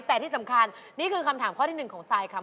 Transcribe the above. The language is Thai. แต่ที่สำคัญนี่คือคำถามข้อที่๑ของซายค่ะ